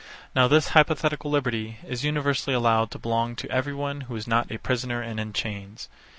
Now this hypothetical liberty is universally allowed to belong to every one who is not a prisoner and in chains.